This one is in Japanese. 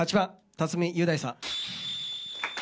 辰巳雄大さん。